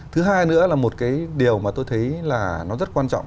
thứ hai nữa là một cái điều mà tôi thấy là nó rất quan trọng